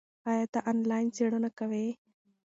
ایا ته آنلاین څېړنه کوې؟